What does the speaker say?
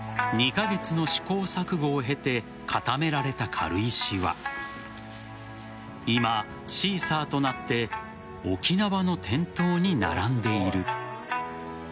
２カ月の試行錯誤を経て固められた軽石は今、シーサーとなって沖縄の店頭に並んでいる。